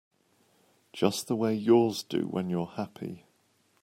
Just the way yours do when you're happy.